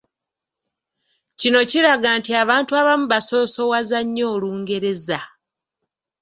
Kino kiraga nti abantu abamu basoosowaza nnyo Olungereza.